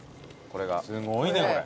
すごいねこれ。